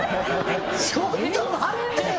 ちょっと待ってよ